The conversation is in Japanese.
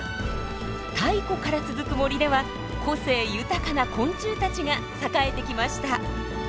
太古から続く森では個性豊かな昆虫たちが栄えてきました。